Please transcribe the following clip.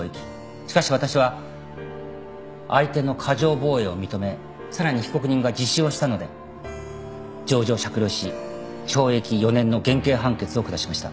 しかし私は相手の過剰防衛を認めさらに被告人が自首をしたので情状酌量し懲役４年の減刑判決を下しました。